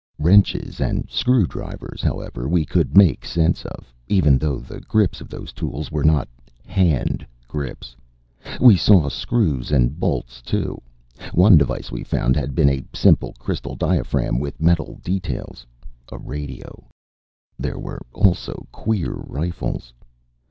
Wrenches and screwdrivers, however, we could make sense of, even though the grips of those tools were not hand grips. We saw screws and bolts, too. One device we found had been a simple crystal diaphragm with metal details a radio. There were also queer rifles.